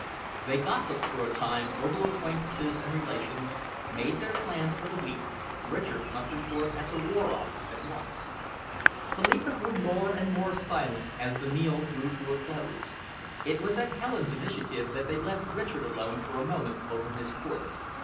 They gossiped for a time over acquaintances and relations, made their plans for the week Richard must report at the War Office at once. Philippa grew more and more silent as the meal drew to a close. It was at Helen's initiative that they left Richard alone for a moment over his port.